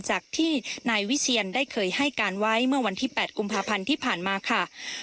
จากที่นายวิเชียนได้เคยให้การไว้เมื่อวันที่๘กุมภาพันธ์ที่ผ่านมาค่ะ